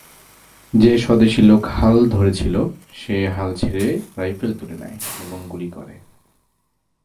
যে স্বদেশী লোক হাল ধরে ছিল সে হাল ছেড়ে রাইফেল তুলে নেয় এবং গুলি করে।